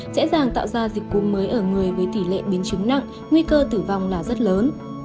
dễ dàng tạo ra dịch cúm mới ở người với tỷ lệ biến chứng nặng nguy cơ tử vong là rất lớn